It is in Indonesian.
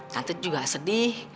tante juga sedih